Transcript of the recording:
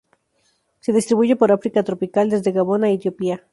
Se distribuye por África tropical desde Gabón a Etiopía.